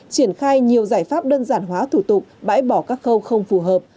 triển khai nhiều giải pháp đơn giản hóa thủ tục bãi bỏ các khâu không phù hợp